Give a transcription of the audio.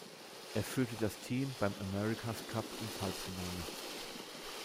Er führte das Team beim America’s Cup ins Halbfinale.